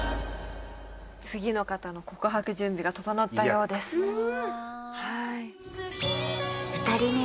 次の方の告白準備が整ったようですフー！